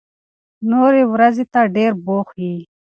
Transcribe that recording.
نورې ورځې ته ډېر بوخت يې.